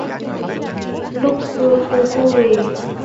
Lúc xưa cô vỗ về...